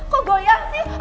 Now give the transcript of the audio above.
kok goyang sih